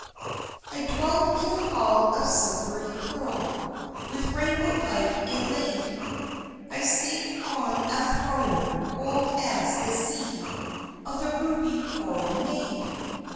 I dwelt in a hall of silvery pearl, With rainbow light inlaid; I sate on a throne, old as the sea, Of the ruby coral made.